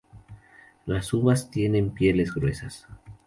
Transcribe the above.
Las uvas tienen pieles gruesas.